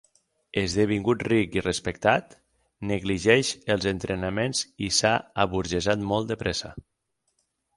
Esdevingut ric i respectat, negligeix els entrenaments i s'ha aburgesat molt de pressa.